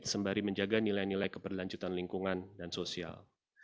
sembari menjaga nilai nilai keberlanjutan lingkungan dan sosial